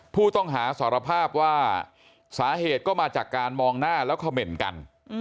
ผู้ต้องหาสารภาพว่าสาเหตุก็มาจากการมองหน้าแล้วเขม่นกัน